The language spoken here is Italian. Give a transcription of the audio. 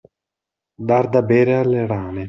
Dar da bere alle rane.